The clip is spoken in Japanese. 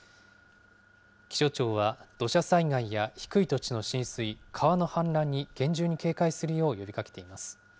気象庁は土砂災害や低い土地の浸水、川の氾濫に厳重に警戒するよう呼びかけています。